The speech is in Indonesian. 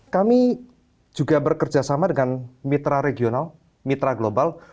kami juga bekerja sama dengan mitra regional mitra global